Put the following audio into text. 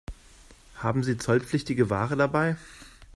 Haben Sie zollpflichtige Ware dabei?